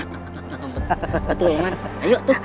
betul ya nimas